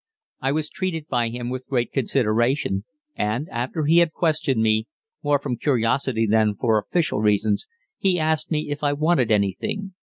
I was treated by him with great consideration and, after he had questioned me, more from curiosity than for official reasons, he asked me if I wanted anything.